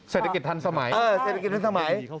เศรษฐกิจทันสมัย